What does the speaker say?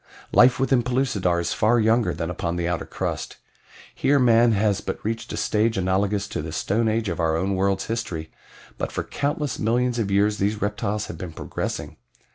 "Life within Pellucidar is far younger than upon the outer crust. Here man has but reached a stage analogous to the Stone Age of our own world's history, but for countless millions of years these reptiles have been progressing.